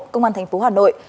công an tp hà nội